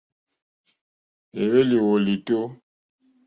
Éhwélì wòlìtó.